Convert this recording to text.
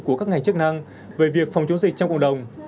của các ngành chức năng về việc phòng chống dịch trong cộng đồng